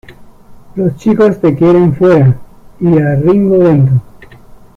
Los chicos te quieren fuera y a Ringo dentro".